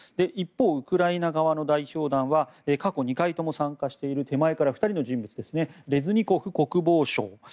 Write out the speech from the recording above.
一方、ウクライナ側の代表団は過去２回とも参加している手前から２人目の人物レズニコフ国防相。